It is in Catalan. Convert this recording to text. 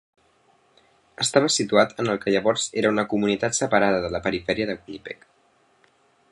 Estava situat en el que llavors era una comunitat separada de la perifèria de Winnipeg.